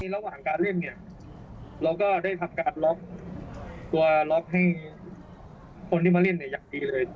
ระหว่างการเล่นเนี่ยเราก็ได้ทำการล็อกตัวล็อกให้คนที่มาเล่นเนี่ยอย่างดีเลย